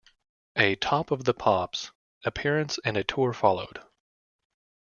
A "Top of the Pops" appearance and a tour followed.